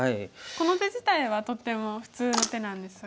この手自体はとっても普通の手なんですが。